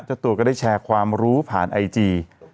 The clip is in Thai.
เจ้าตัวก็ได้แชร์ความรู้ผ่านไอจี